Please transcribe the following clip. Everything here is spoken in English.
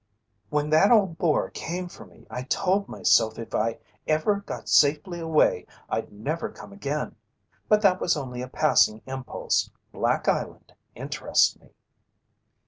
"When that old boar came for me, I told myself if ever I got safely away, I'd never come again. But that was only a passing impulse. Black Island interests me."